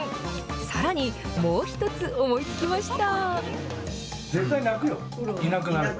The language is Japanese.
さらに、もう一つ思いつきました。